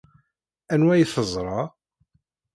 Anwa ay teẓra?